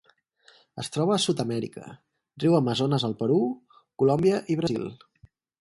Es troba a Sud-amèrica: riu Amazones al Perú, Colòmbia i Brasil.